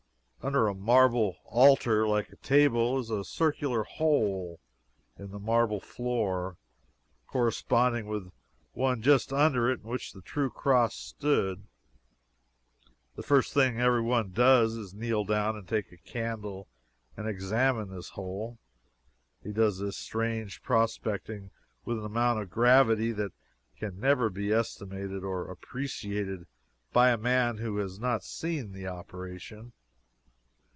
Under a marble altar like a table, is a circular hole in the marble floor, corresponding with the one just under it in which the true Cross stood. The first thing every one does is to kneel down and take a candle and examine this hole. He does this strange prospecting with an amount of gravity that can never be estimated or appreciated by a man who has not seen the operation.